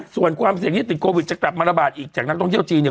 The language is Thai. ส่วนความเสี่ยงที่ติดโควิดจะกลับมาระบาดอีกจากนักท่องเที่ยวจีนเนี่ย